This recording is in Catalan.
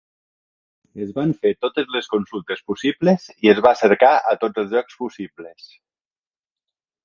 Es van fer totes les consultes possibles i es va cercar a tots els llocs possibles.